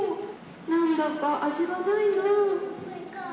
何だか味がないな。